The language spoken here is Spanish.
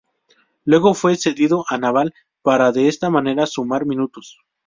Luego fue cedido a Naval Para de esta manera sumar minutos.